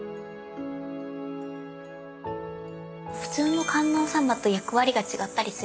普通の観音様と役割が違ったりするんですか？